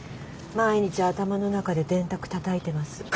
毎日頭の中で電卓たたいてます。